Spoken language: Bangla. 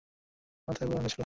এটা ওর মাথায় পরানো ছিল।